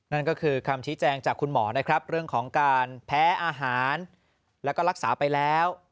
นั่นก็คือคำชี้แจงจากคุณหมอนะครับเรื่องของการแพ้อาหารแล้วก็รักษาไปแล้ว